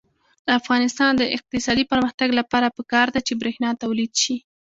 د افغانستان د اقتصادي پرمختګ لپاره پکار ده چې برښنا تولید شي.